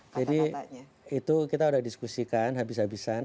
jadi itu kita udah diskusikan habis habisan